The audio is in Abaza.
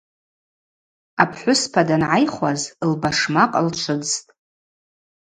Апхӏвыспа дангӏайхуаз лбашмакъ лчвыдзтӏ.